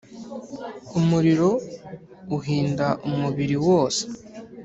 umuriro uhinda umubiri wose